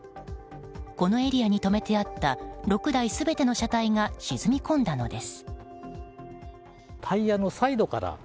このエリアに止めてあった６台全ての車体が沈み込んだのです。